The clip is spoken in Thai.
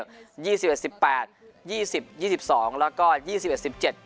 องค์สี่สิบสิบแปดยี่สิบยี่สิบสองแล้วก็ยี่สิบเสิร์ฟสิบเจ็ด